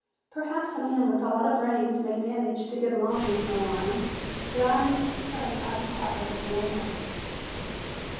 Perhaps a man with a lot of brains may manage to get along with no arms, but I'm afraid I require the full amount."